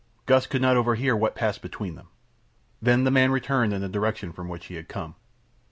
Gust could not overhear what passed between them. Then the man returned in the direction from which he had come.